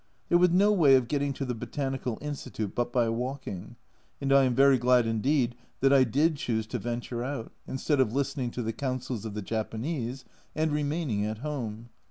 There was no way of getting to the Botanical Institute but by walking, and I am very glad indeed that I did choose to venture out, instead of listening to the counsels of the Japanese and remaining at home.